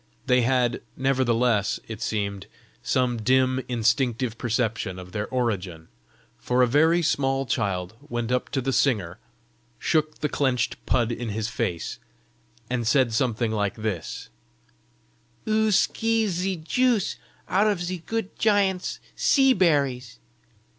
They had, nevertheless, it seemed, some dim, instinctive perception of their origin; for a very small child went up to the singer, shook his clenched pud in his face, and said something like this: "'Ou skeeze ze juice out of ze good giant's seeberries!